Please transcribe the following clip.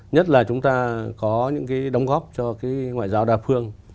nhất là chúng ta có những cái đóng góp cho cái ngoại giao đa phương